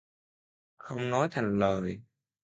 Không nói thành lời